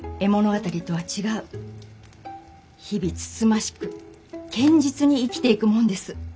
日々つつましく堅実に生きていくもんです。